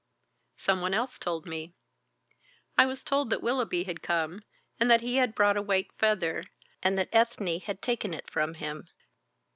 "Some one else told me. I was told that Willoughby had come, and that he had brought a white feather, and that Ethne had taken it from him.